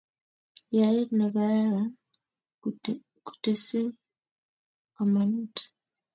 Yaet nekararan kutesei kamanut